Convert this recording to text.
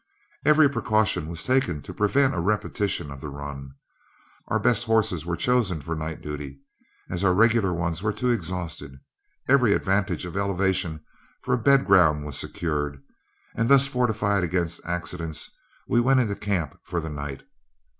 Every precaution was taken to prevent a repetition of the run; our best horses were chosen for night duty, as our regular ones were too exhausted; every advantage of elevation for a bed ground was secured, and thus fortified against accident, we went into camp for the night.